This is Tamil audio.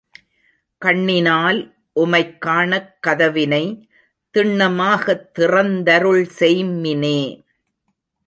கண்ணினால் உமைக் காணக் கதவினை திண்ணமாகத் திறந்தருள் செய்ம்மினே!